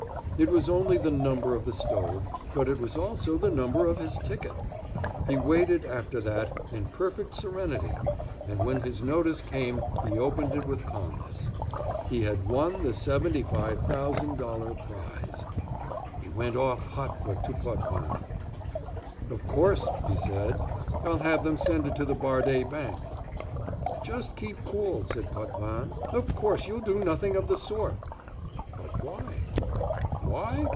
It was only the number of the stove, but it was also the number of his ticket. He waited, after that, in perfect serenity, and when his notice came he opened it with calmness. He had won the seventy five thousand dollar prize. He went off hot foot to Potvin. "Of course," he said, "I'll have them send it to the Bardé Bank." "Just keep cool," said Potvin. "Of course you'll do nothing of the sort." "But why?" "Why?